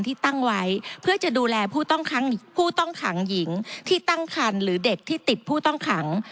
ที่ตั้งไว้เพื่อจะดูแลผู้ต้องขังหญิงที่ตั้งคันหรือเด็กที่ติดผู้ต้องขัง